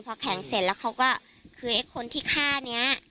พอแข็งเสร็จแล้วเขาก็คือไอ้คนที่ฆ่านี้